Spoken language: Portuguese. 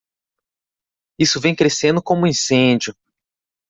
Isso vem crescendo como um incêndio!